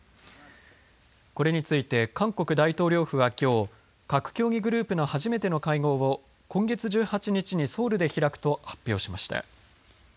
これについて韓国大統領府はきょう核協議グループの初めての会合を今月１８日にソウルで開くと発表しました。